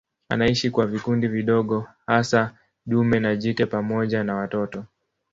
Anaishi kwa vikundi vidogo hasa dume na jike pamoja na watoto.